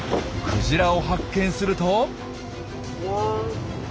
クジラを発見すると。